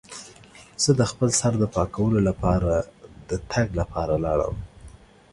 زه د خپل سر د پاکولو لپاره د تګ لپاره لاړم.